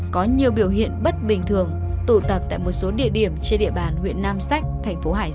có nhiều biểu hiện bất bình thường tụ tập tại một số địa điểm trên địa bàn huyện nam sách